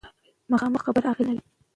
مخامخ خبرې اغیزمنې وي.